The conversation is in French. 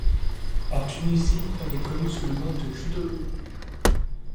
En Tunisie elle est connue sous le nom de Judoléine.